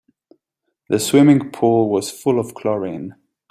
The swimming pool was full of chlorine.